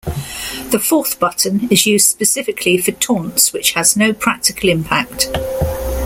The fourth button is used specifically for taunts which has no practical impact.